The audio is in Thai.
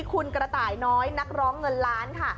คุณกระต่ายน้อยนักร้องเงินล้านค่ะ